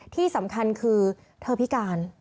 ที่สำคัญคือเธอพิการ